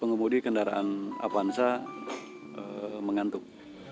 pengemudi kendaraan apanza mengantuk